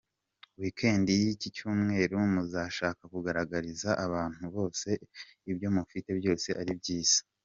Weekend y’iki cyumweru, muzashaka kugaragariza abantu bose ko ibyo mufite byose ari byiza.